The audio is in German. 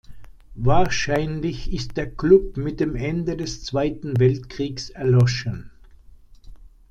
Wahrscheinlich ist der Club mit dem Ende des Zweiten Weltkriegs erloschen.